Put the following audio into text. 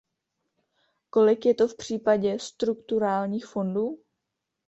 Kolik je to v případě strukturálních fondů?